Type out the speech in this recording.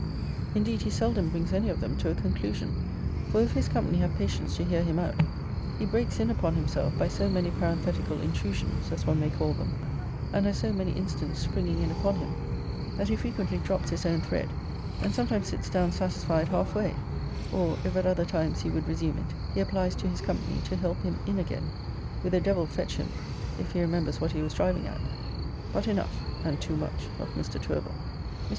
Indeed he seldom brings any of them to a conclusion; for if his company have patience to hear him out, he breaks in upon himself by so many parenthetical intrusions, as one may call them, and has so many incidents springing in upon him, that he frequently drops his own thread, and sometimes sits down satisfied half way; or, if at other times he would resume it, he applies to his company to help him in again, with a Devil fetch him if he remembers what he was driving at but enough, and too much of Mr. Tourville. Mr.